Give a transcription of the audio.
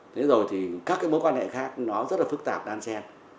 thế rồi thì các mối quan hệ khác nó rất là phức tạp đan xen